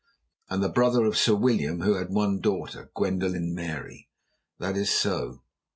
"And the brother of Sir William, who had one daughter, Gwendoline Mary?" "That is so."